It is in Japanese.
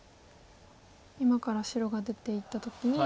今から白が出ていった時に。